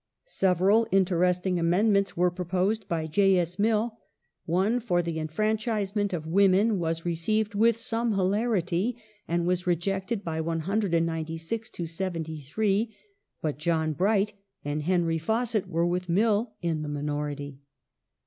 Several interesting amendments were proposed by J. S. Mill ; one for the enfranchisement of women was received with some hilarity, and was rejected by 196 to 73 ; but John Bright and Henry Fawcett were with Mill in the minority.